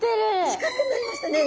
四角になりましたね。